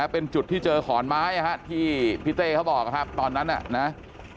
เป็นจุดที่เจอขอนไม้ที่พี่เต้เขาบอกครับตอนนั้นน่ะนะ